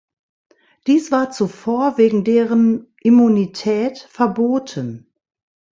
Dies war zuvor wegen deren Immunität verboten.